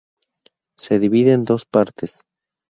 Se divide en dos partes.